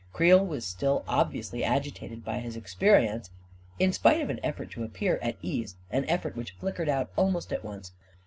Creel was still obviously agitated by his experience, in spite of an effort to appear at ease — an effort which flickered out almost at once.